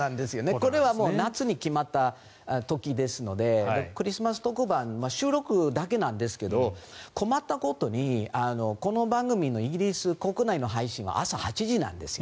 これは夏に決まった時ですのでクリスマス特番収録だけなんですが困ったことにこの番組のイギリス国内の配信は朝８時なんですよ。